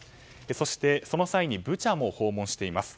そして、その際にブチャも訪問しています。